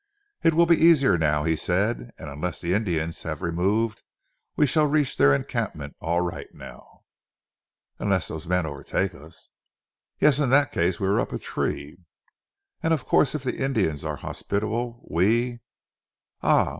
"It will be easier now," he said, "and unless the Indians have removed we shall reach the encampment all right now." "Unless those men overtake us!" "Yes! In that case we are up a tree." "And of course if the Indians are hospitable we Ah!